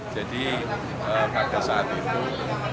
jadi pada saat itu